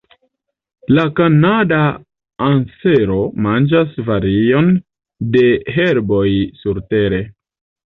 La Kanada ansero manĝas varion de herboj surtere.